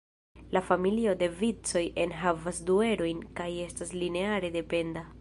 La "familio" de vicoj enhavas du erojn kaj estas lineare dependa.